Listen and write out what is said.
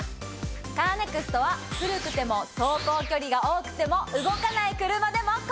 カーネクストは古くても走行距離が多くても動かない車でも。